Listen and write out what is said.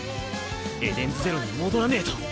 エデンズゼロに戻らねえと。